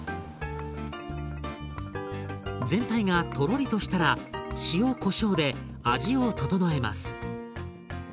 全体がとろりとしたら塩こしょうで味を調えます。